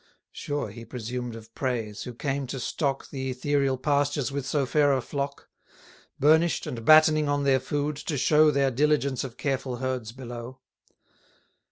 Sure he presumed of praise, who came to stock The ethereal pastures with so fair a flock, Burnish'd, and battening on their food, to show 390 Their diligence of careful herds below.